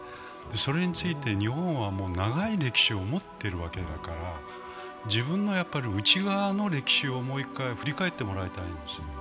それについて日本は長い歴史を持ってるわけだから自分の内側の歴史をもう一回振り返ってもらいたいんです。